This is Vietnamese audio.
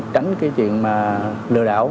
tránh cái chuyện lừa đảo